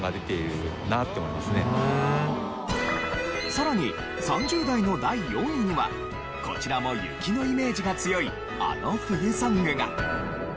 さらに３０代の第４位にはこちらも雪のイメージが強いあの冬ソングが。